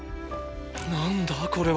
何だこれは？